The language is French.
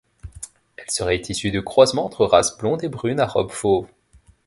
Elle serait issue de croisements entre races blonde et brune à robe fauve.